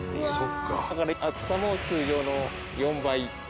だから厚さも通常の４倍厚く。